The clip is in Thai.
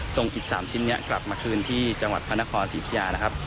ทรงอิสสามชิ้นนี้กลับมาคืนที่จังหวัดพนครสิทธิานะครับ